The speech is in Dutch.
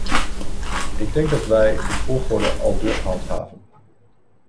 Ik denk dat wij de volgorde aldus handhaven.